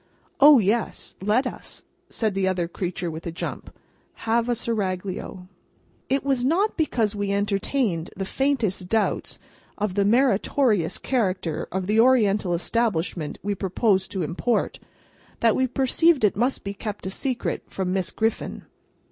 "O, yes! Let us," said the other creature with a jump, "have a Seraglio." It was not because we entertained the faintest doubts of the meritorious character of the Oriental establishment we proposed to import, that we perceived it must be kept a secret from Miss Griffin.